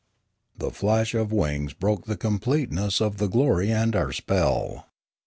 The flash of wings broke the completeness of the glory and our spell.